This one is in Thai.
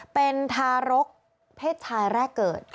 เป็นทารกเพศชายแรกเกิด